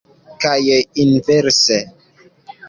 Kaj inverse.